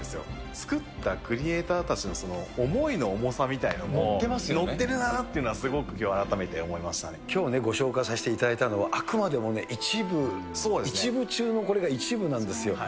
作ったクリエーターたちの思いの重さみたいなのも乗ってるなってきょうご紹介させていただいたのは、あくまでもね、一部、一部中のこれが一部なんですよ。